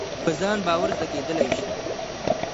په ځان باور زده کېدلای شي.